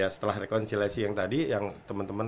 setelah rekonsilesi yang tadi yang temen temen